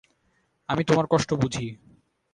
আমি তোমার কষ্ট বুঝি।